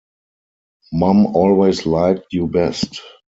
Mom Always Liked You Best!